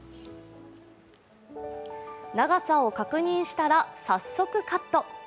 長さを確認したら早速、カット。